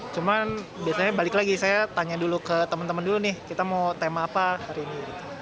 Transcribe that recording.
cuman biasanya balik lagi saya tanya dulu ke teman teman dulu nih kita mau tema apa hari ini